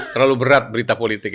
terlalu berat berita politik